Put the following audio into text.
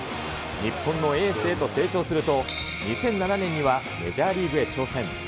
日本のエースへと成長すると、２００７年にはメジャーリーグへ挑戦。